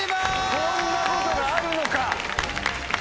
こんなことがあるのか！